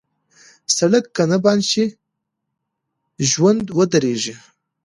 سړک که بند شي، ژوند ودریږي.